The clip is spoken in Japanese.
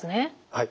はい。